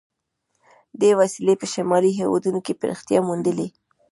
دې وسیلې په شمالي هېوادونو کې پراختیا موندلې.